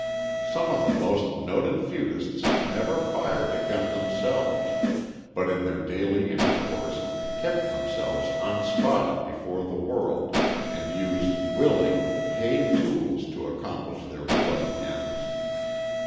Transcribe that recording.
Some of the most noted feudists never fired a gun themselves, but in their daily intercourse kept themselves unspotted before the world, and used willing, paid tools to accomplish their bloody ends.